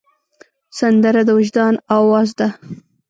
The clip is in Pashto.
سندره د وجدان آواز ده